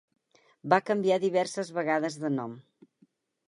Va canviar diverses vegades de nom.